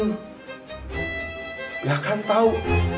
nanti andien gak akan tau